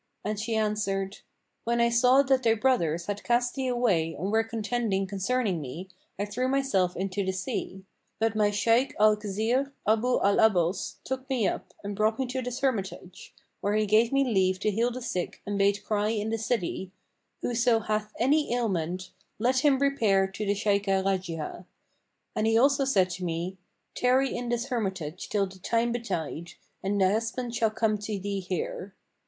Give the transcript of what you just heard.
and she answered, "When I saw that thy brothers had cast thee away and were contending concerning me, I threw myself into the sea; but my Shaykh Al Khizr Abu al 'Abbбs took me up and brought me to this hermitage, where he gave me leave to heal the sick and bade cry in the city, 'Whoso hath any ailment, let him repair to the Shaykhah Rajihah;' and he also said to me, 'Tarry in this hermitage till the time betide, and thy husband shall come to thee here.'